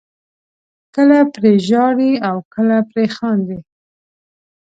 کله پرې ژاړئ او کله پرې خاندئ.